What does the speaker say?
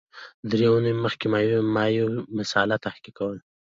درې اونۍ مخکي ما یو مسأله تحقیق کول